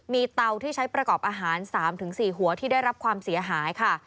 มีเตาที่ใช้ประกอบอาหาร๓๔หัวที่ได้รับความเสียหายค่ะ